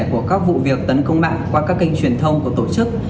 của các vụ việc tấn công mạng qua các kênh truyền thông của tổ chức